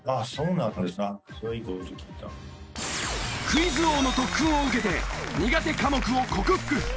クイズ王の特訓を受けて苦手科目を克服！